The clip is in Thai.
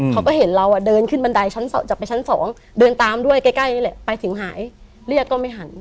เขาก็เห็นเราเดินขึ้นบันไดชั้น๒จากไปชั้น๒เดินตามด้วยใกล้นี่แหละไปถึงหายเรียกก็ไม่หัน